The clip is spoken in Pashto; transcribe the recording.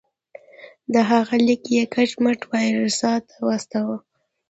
د هغه لیک یې کټ مټ وایسرا ته واستاوه.